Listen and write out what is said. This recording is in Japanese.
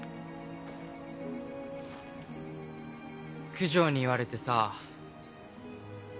九条に言われてさ。